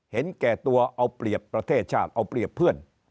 เห็นแก่ตัวเอาเปรียบประเทศชาติเอาเปรียบเพื่อน